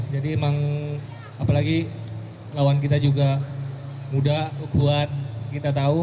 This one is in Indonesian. jadi memang apalagi lawan kita juga muda kuat kita tahu